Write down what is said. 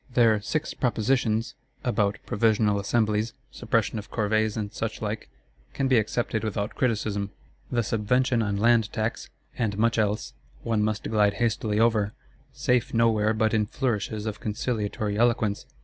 Their "Six Propositions" about Provisional Assemblies, suppression of Corvées and suchlike, can be accepted without criticism. The Subvention on Land tax, and much else, one must glide hastily over; safe nowhere but in flourishes of conciliatory eloquence.